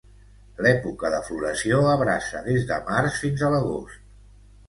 L'època de floració abraça des de març fins a l'agost.